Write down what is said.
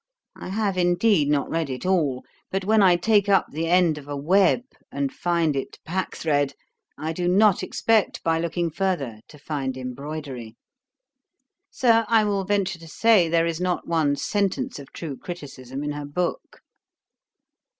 I have, indeed, not read it all. But when I take up the end of a web, and find it packthread, I do not expect, by looking further, to find embroidery. Sir, I will venture to say, there is not one sentence of true criticism in her book.'